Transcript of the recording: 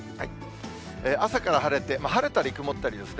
朝から晴れて、晴れたり曇ったりですね。